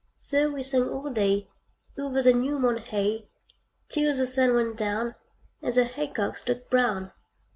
So he sang all day Over the new mown hay, Till the sun went down, And the haycocks looked brown.